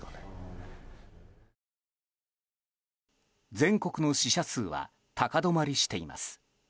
全国の死者数は高止まりしています。